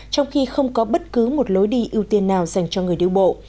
trong khi không có bất cứ một lối đi ưu tiên nào dành cho người điêu bộ